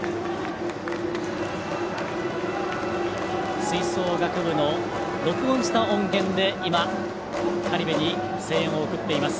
吹奏楽部の録音した音源で今、苅部に声援を送っています。